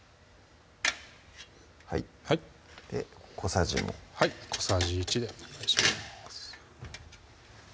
はい小さじもはい小さじ１でお願いします